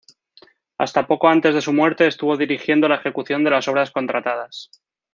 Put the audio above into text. Hasta poco antes de su muerte, estuvo dirigiendo la ejecución de las obras contratadas.